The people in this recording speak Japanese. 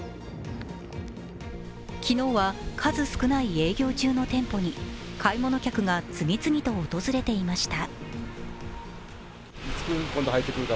昨日は数少ない営業中の店舗に買い物客が次々と訪れていました。